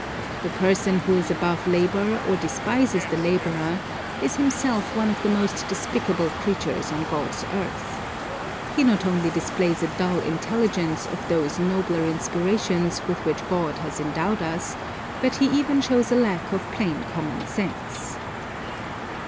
The person who is above labor or despises the laborer, is himself one of the most despicable creatures on God's earth. He not only displays a dull intelligence of those nobler inspirations with which God has endowed us, but he even shows a lack of plain common sense.